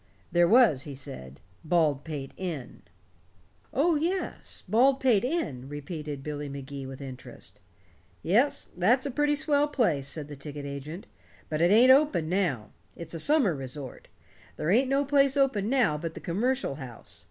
There was, he said, Baldpate Inn. "Oh, yes, Baldpate Inn," repeated Billy Magee with interest. "Yes, that's a pretty swell place," said the ticket agent. "But it ain't open now. It's a summer resort. There ain't no place open now but the Commercial House.